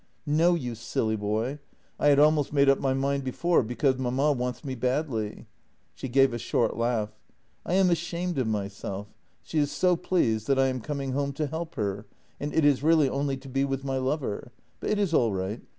" No, you silly boy. I had almost made up my mind before, because mamma wants me badly." She gave a short laugh. " I am ashamed of myself — she is so pleased that I am com ing home to help her, and it is really only to be with my lover. But it is all right.